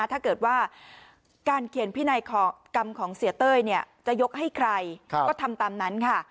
ถ้าเกิดว่าการเขียนพินัยกรรมของเสียเต้ยจะยกให้ใครก็ทำตามนั้นค่ะ